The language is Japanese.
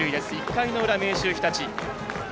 １回の裏、明秀日立。